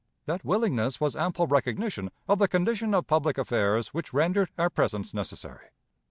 That willingness was ample recognition of the condition of public affairs which rendered our presence necessary.